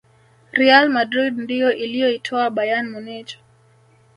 real madrid ndiyo iliyoitoa bayern munich